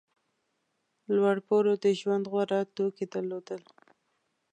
لوړپوړو د ژوند غوره توکي درلودل.